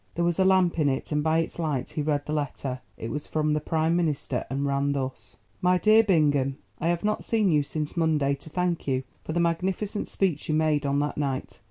There was a lamp in it and by its light he read the letter. It was from the Prime Minister and ran thus: "MY DEAR BINGHAM,—I have not seen you since Monday to thank you for the magnificent speech you made on that night.